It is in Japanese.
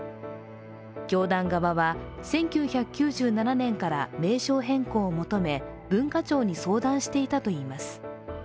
教団側は、１９９７年から名称変更を求め文化庁に相談していたといいます。